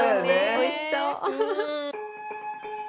おいしそう。